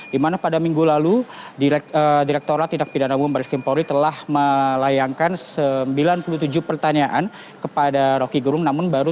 dimana pada minggu lalu direkturat tindak pidana umum baris kimpori telah melayangkan sembilan puluh tujuh pertanyaan kepada roky gerung